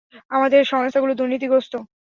আমাদের সংস্থাগুলো দুর্নীতিগ্রস্ত।